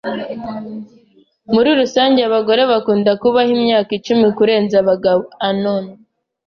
Muri rusange, abagore bakunda kubaho imyaka icumi kurenza abagabo. (Anon)